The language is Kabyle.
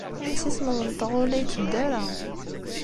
Imsismeḍ-nteɣ ur la yetteddu ara.